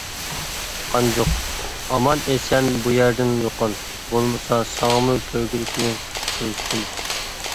قانجۇق، ئامان-ئېسەن بۇ يەردىن يوقال، بولمىسا ساڭىمۇ كۆرگۈلۈكنى كۆرسىتىمىز!